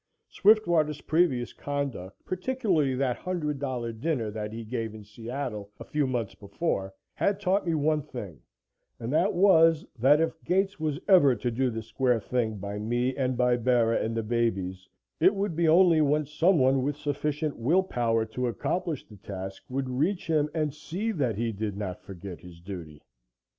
Swiftwater's previous conduct, particularly that $100 dinner that he gave in Seattle a few months before, had taught me one thing, and that was that if Gates was ever to do the square thing by me and by Bera and the babies it would be only when some one with sufficient will power to accomplish the task would reach him and see that he did not forget his duty.